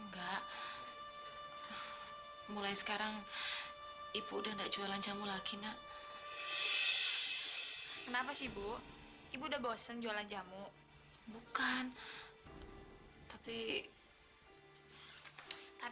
sampai jumpa di video selanjutnya